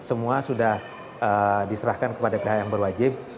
semua sudah diserahkan kepada pihak yang berwajib